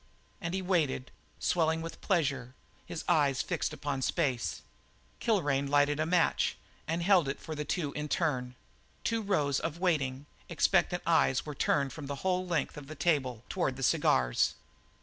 And he waited, swelling with pleasure, his eyes fixed upon space. Kilrain lighted a match and held it for the two in turn. Two rows of waiting, expectant eyes were turned from the whole length, of the table, toward the cigars.